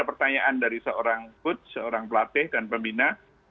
ada pertanyaan dari seorang coach seorang pelatih dan pembina